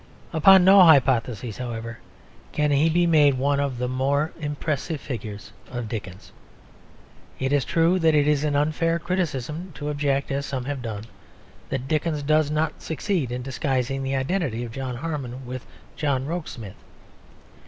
Upon no hypothesis, however, can he be made one of the more impressive figures of Dickens. It is true that it is an unfair criticism to object, as some have done, that Dickens does not succeed in disguising the identity of John Harmon with John Rokesmith.